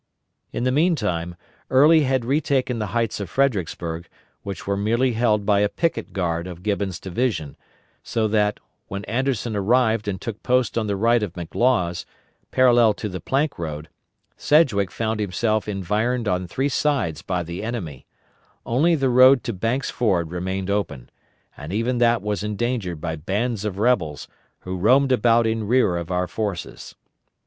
In the meantime, Early had retaken the heights of Fredericksburg, which were merely held by a picket guard of Gibbon's division, so that, when Anderson arrived and took post on the right of McLaws, parallel to the Plank Road, Sedgwick found himself environed on three sides by the enemy; only the road to Banks' Ford remained open, and even that was endangered by bands of rebels, who roamed about in rear of our forces.